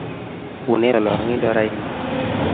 Unee lolongindo raini?